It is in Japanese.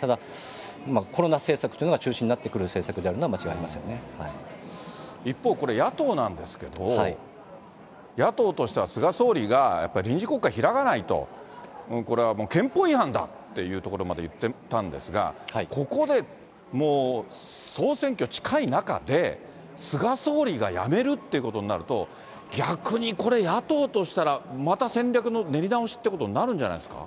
ただ、コロナ政策というのが中心になってくる政策であるのは間違一方、これ野党なんですけど、野党としては菅総理がやっぱり、臨時国会開かないと、これはもう憲法違反だっていうところまで言ってたんですが、ここで、もう、総選挙近い中で、菅総理が辞めるっていうことになると、逆にこれ、野党としたら、また戦略の練り直しということになるんじゃないですか？